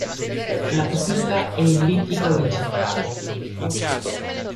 La pupilla è ellittica orizzontale.